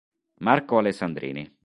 Marco Alessandrini